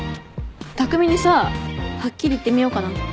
匠にさはっきり言ってみようかなって。